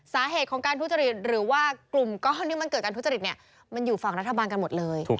สาเหตุของการทุจริตหรือว่ากลุ่มก้อนที่มันเกิดการทุจริตเนี่ยมันอยู่ฝั่งรัฐบาลกันหมดเลย